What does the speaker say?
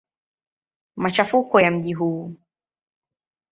Machafuko ya mji huu.